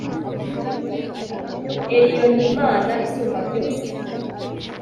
ELYONIMANA ISUMBA BYOSE